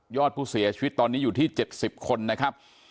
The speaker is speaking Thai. อดผู้เสียชีวิตตอนนี้อยู่ที่๗๐คนนะครับ